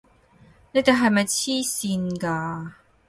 你哋係咪癡線㗎！